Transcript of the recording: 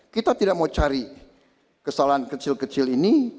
kita tidak mau cari kesalahan kecil kecil ini